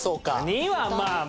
２はまあまあ。